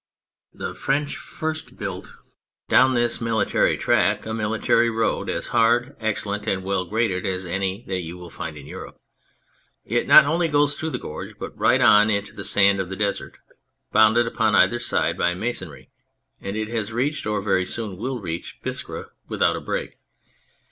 The French first built down this 163 M2 On Anything track a military road, as hard, excellent and well graded as any that you will find in Europe. It not only goes through the gorge, but right on into the sand of the desert, bounded upon either side by masonry, and it has reached, or very soon will reach, Biskra without a break.